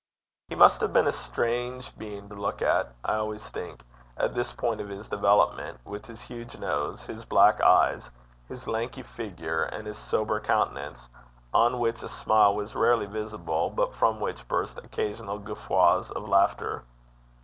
He must have been a strange being to look at, I always think, at this point of his development, with his huge nose, his black eyes, his lanky figure, and his sober countenance, on which a smile was rarely visible, but from which burst occasional guffaws of laughter.